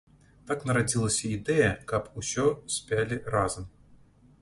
Так нарадзілася ідэя, каб усё спялі разам.